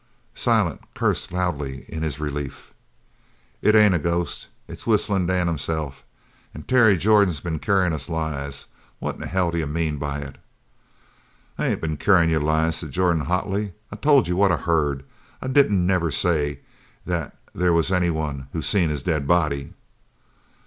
Silent cursed loudly in his relief. "It ain't a ghost. It's Whistlin' Dan himself. An' Terry Jordan has been carryin' us lies! What in hell do you mean by it?" "I ain't been carryin' you lies," said Jordan, hotly. "I told you what I heard. I didn't never say that there was any one seen his dead body!"